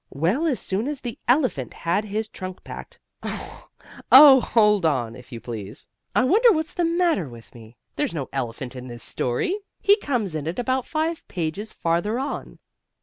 Well, as soon as the elephant had his trunk packed Oh, hold on, if you please. I wonder what's the matter with me? There's no elephant in this story. He comes in it about five pages farther on.